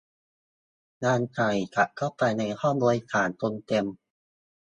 ยังใส่เข้าไปในห้องโดยสารจนเต็ม